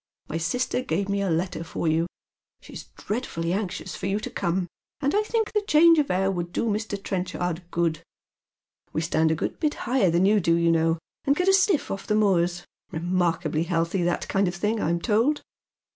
My sister gave me a letter for you. She's dreadfully anxious for you to come, and I think the change of air would do Mr. Trenchard good. We stand a good bit higher than you do, you know, and get a sniff off the moors — remarkably healthy, that kind of thing, I'm told.